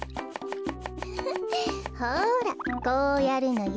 ウフフほらこうやるのよ。